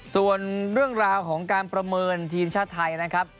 ส่วนเรื่องราวของการประเมินทีมชาติไทยนะครับ